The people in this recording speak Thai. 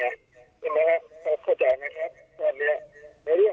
เขาเข้าใจไหมครับแบบนี้